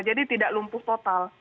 jadi tidak lumpuh total